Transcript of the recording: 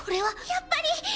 やっぱり。